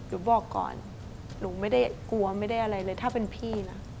หนูไม่ได้กลัวไม่ได้อะไรเลยถ้าเป็นพี่นะ